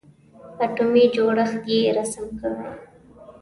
اتومي جوړښت یې رسم کړئ.